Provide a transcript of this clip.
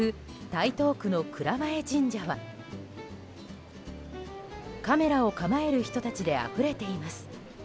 台東区の藏前神社はカメラを構える人たちであふれています。